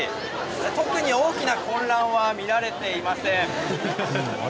特に大きな混乱は見られていません。